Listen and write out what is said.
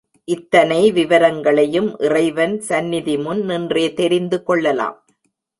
இத்தனை விவரங்களையும் இறைவன் சந்நிதிமுன் நின்றே தெரிந்து கொள்ளலாம்.